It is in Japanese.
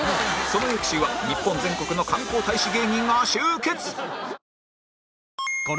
その翌週は日本全国の観光大使芸人が集結